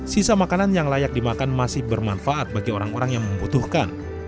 sisa makanan yang layak dimakan masih bermanfaat bagi orang orang yang membutuhkan